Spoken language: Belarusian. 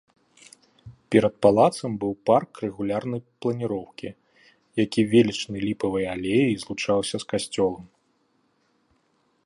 Перад палацам быў парк рэгулярнай планіроўкі, які велічнай ліпавай алеяй злучаўся з касцёлам.